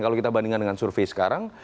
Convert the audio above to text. kalau kita bandingkan dengan survei sekarang